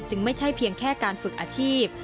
ไม่ใช่เพียงแค่การฝึกอาชีพ